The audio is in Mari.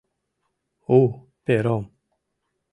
У пером!